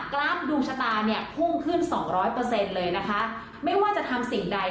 ราฟดวงชะตาเนี่ยพุ่งขึ้นสองร้อยเปอร์เซ็นต์เลยนะคะไม่ว่าจะทำสิ่งใด